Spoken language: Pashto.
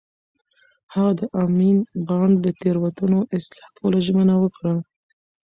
هغه د امین بانډ د تېروتنو اصلاح کولو ژمنه وکړه.